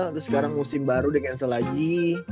terus sekarang musim baru the cancel lagi